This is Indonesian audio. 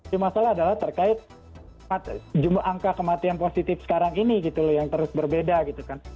di masalah adalah terkait jumlah angka kematian positif sekarang ini gitu loh yang terus berbeda gitu kan